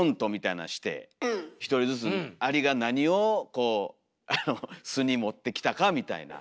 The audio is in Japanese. １人ずつアリが何をこう巣に持ってきたかみたいな。